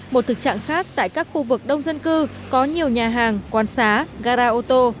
một thực trạng khác tại các khu vực đông dân cư có nhiều nhà hàng quán xá gara ô tô